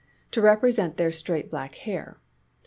to represent their straight black hair.